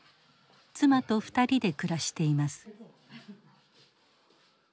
妻と２人で暮らしています。